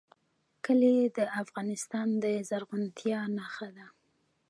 کلي د افغانستان د زرغونتیا نښه ده.